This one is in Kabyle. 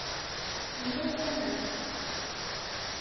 Ila tamart.